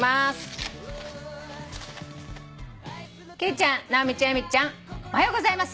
ちゃん直美ちゃん由美ちゃんおはようございます」